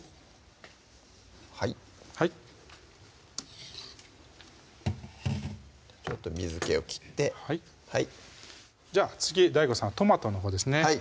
はいはいちょっと水気を切ってはいじゃあ次ＤＡＩＧＯさんトマトのほうですね